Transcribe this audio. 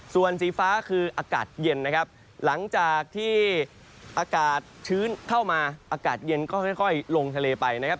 ส่วนสีฟ้าคืออากาศเย็นนะครับหลังจากที่อากาศชื้นเข้ามาอากาศเย็นก็ค่อยลงทะเลไปนะครับ